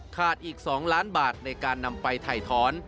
อีก๒ล้านบาทในการนำไปถ่ายถอน